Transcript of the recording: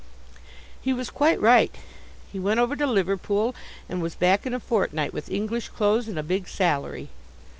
He was quite right. He went over to Liverpool, and was back in a fortnight with English clothes and a big salary.